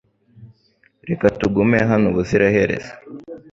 Reka tugume hano ubuziraherezo .